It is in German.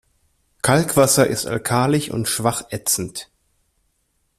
Kalkwasser ist alkalisch und schwach ätzend.